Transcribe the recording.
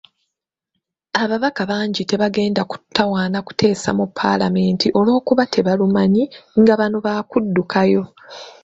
Ababaka bangi tebagenda kutawaana kuteesa mu paalamenti olwokuba tebalumanyi, nga bano bakuddukayo.